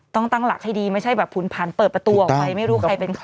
ตั้งหลักให้ดีไม่ใช่แบบผุนผันเปิดประตูออกไปไม่รู้ใครเป็นใคร